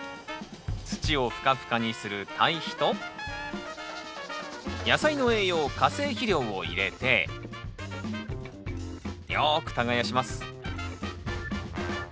土をふかふかにする堆肥と野菜の栄養化成肥料を入れてよく耕します